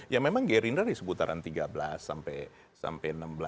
ya memang gerindra di seputaran tiga belas sampai enam belas